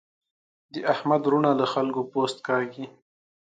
د احمد وروڼه له خلګو پوست کاږي.